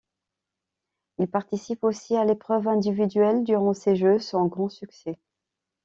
Il participe aussi à l'épreuve individuelle durant ces Jeux, sans grand succès.